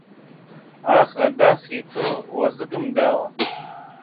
ئاخ لە داخی تۆ وەزگم داوە!